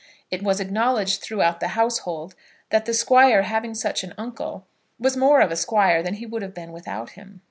It was acknowledged throughout the household that the Squire having such an uncle, was more of a Squire than he would have been without him.